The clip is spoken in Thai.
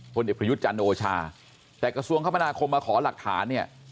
เด็กประยุทธ์จันโอชาแต่กระทรวงคมนาคมมาขอหลักฐานเนี่ย